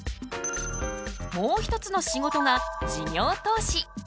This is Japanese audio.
もう一つの仕事が事業投資。